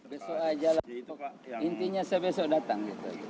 besok aja lah intinya saya besok datang gitu